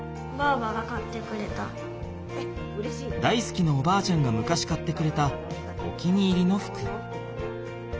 大すきなおばあちゃんが昔買ってくれたお気に入りの服。